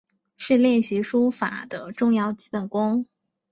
是练习书法的重要基本功。